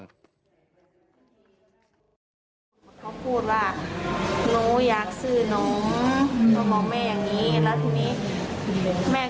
เขาพูดว่าน้องอยากซื้อน้อง